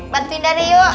bantuin dari yuk